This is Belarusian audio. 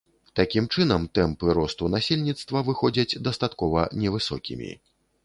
Такім чынам, тэмпы росту насельніцтва выходзяць дастаткова невысокімі.